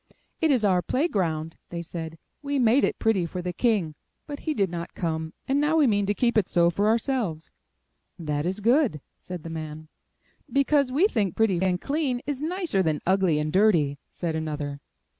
'Tt is our play ground!" they said. ''We made it pretty for the King, but he did not come, and now we mean to keep it so for ourselves. 'That is good!" said the man. "Because we think pretty and clean is nicer than ugly and dirty!" said another.